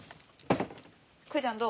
クーちゃんどう？